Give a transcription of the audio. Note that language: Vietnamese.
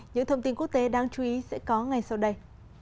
những thông tin quốc tế đáng chú ý sẽ có ngay sau đây